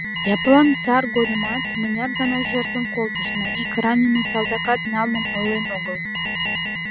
Япон сар годымат мыняр гана жертвым колтышна, ик раненый салтакат налмым ойлен огыл.